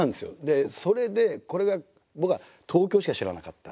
それでこれが僕は東京しか知らなかった。